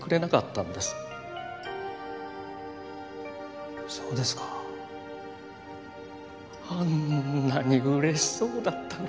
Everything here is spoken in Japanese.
あんなに嬉しそうだったのに。